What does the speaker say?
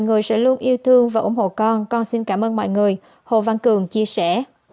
người sẽ luôn yêu thương và ủng hộ con con xin cảm ơn mọi người hồ văn cường chia sẻ